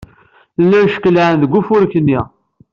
Llan ckellɛen deg ufurk-nni.